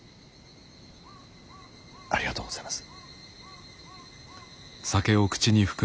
ありがとうございます。